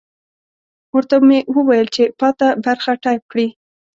ورته مې وویل چې پاته برخه ټایپ کړي.